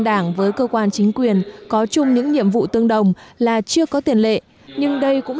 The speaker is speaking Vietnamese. đảng với cơ quan chính quyền có chung những nhiệm vụ tương đồng là chưa có tiền lệ nhưng đây cũng